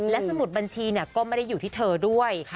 และสมุดบัญชีก็ไม่ได้อยู่ที่เธอด้วย